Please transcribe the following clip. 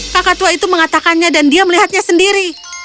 kakak tua itu mengatakannya dan dia melihatnya sendiri